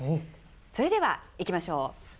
それでは行きましょう。